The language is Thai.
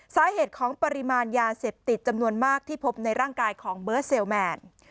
สาเหตุของปริมาณยาเสพติดจำนวนมากที่พบในร่างกายของเบิร์ตเซลแมน